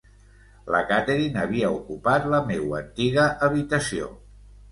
La Catherine havia ocupat la meua antiga habitació.